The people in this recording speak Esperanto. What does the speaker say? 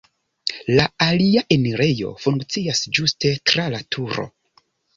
La alia enirejo funkcias ĝuste tra la turo.